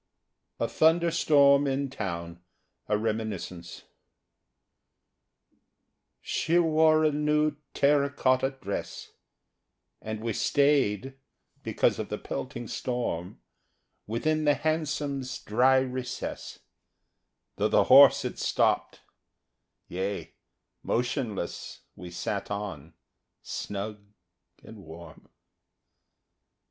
A THUNDERSTORM IN TOWN (A Reminiscence) SHE wore a new "terra cotta" dress, And we stayed, because of the pelting storm, Within the hansom's dry recess, Though the horse had stopped; yea, motionless We sat on, snug and warm.